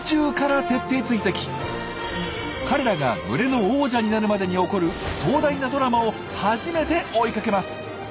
彼らが群れの王者になるまでに起こる壮大なドラマを初めて追いかけます！